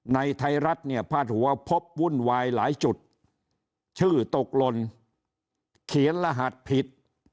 ไทยรัฐเนี่ยพาดหัวพบวุ่นวายหลายจุดชื่อตกหล่นเขียนรหัสผิด